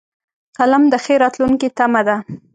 قلم د ښې راتلونکې تمه ده